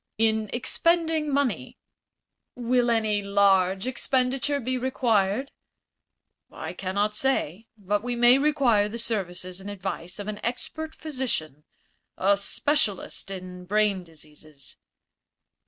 "In expending money." "Will any large expenditure be required?" "I cannot say. But we may require the services and advice of an expert physician a specialist in brain diseases."